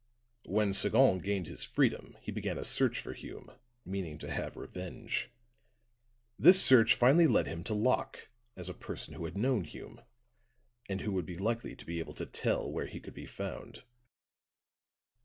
When Sagon gained his freedom he began a search for Hume, meaning to have revenge. This search finally led him to Locke as a person who had known Hume, and who would be likely to be able to tell where he could be found."